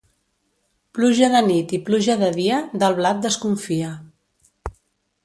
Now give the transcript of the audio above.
Pluja de nit i pluja de dia, del blat desconfia.